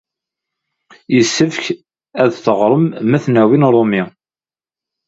Yessefk ad teɣrem Mathnawi n Rumi.